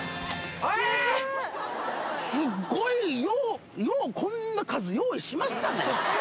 すっごい、ようこんな数、用意しましたね。